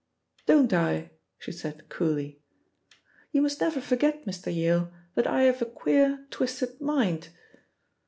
"Don't I?" she said coolly. "You must never forget, Mr. Yale, that I have a queer, twisted mind."